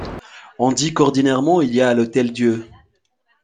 On dit qu'ordinairement il y a à l'hôtel-Dieu.